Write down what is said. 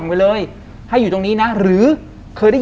ทำไมเขาถึงจะมาอยู่ที่นั่น